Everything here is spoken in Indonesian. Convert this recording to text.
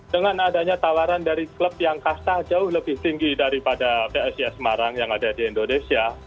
dengan adanya tawaran dari klub yang kasta jauh lebih tinggi daripada psis semarang yang ada di indonesia